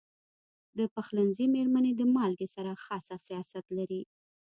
د پخلنځي میرمنې د مالګې سره خاص حساسیت لري.